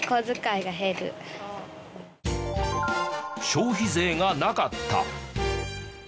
消費税がなかった。